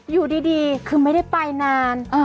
อยู่ดีคือไม่ได้ไปนาน